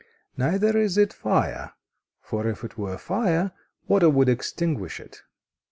Neither is it fire; for if it were fire, water would extinguish it.